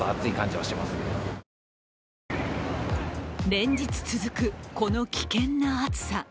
連日続くこの危険な暑さ。